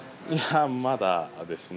まだですね。